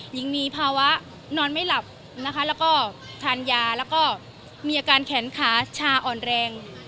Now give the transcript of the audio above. หญิงมีภาวะนอนไม่หลับนะคะแล้วก็ทานยาแล้วก็มีอาการแขนขาชาอ่อนแรง